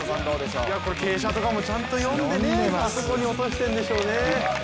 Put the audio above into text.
傾斜とかもちゃんと読んでねあそこに落としてるんでしょうね